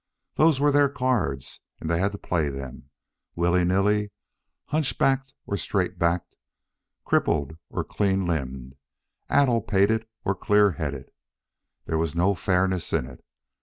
Those were their cards and they had to play them, willy nilly, hunchbacked or straight backed, crippled or clean limbed, addle pated or clear headed. There was no fairness in it.